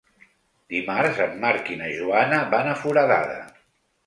Dimarts en Marc i na Joana van a Foradada.